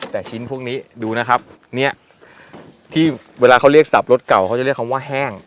แต่ชิ้นพวกนี้ดูนะครับเนี่ยที่เวลาเขาเรียกสับรสเก่าเขาจะเรียกคำว่าแห้ง